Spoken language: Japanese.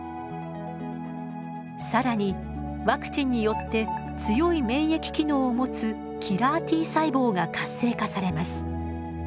更にワクチンによって強い免疫機能を持つキラーＴ細胞が活性化されます。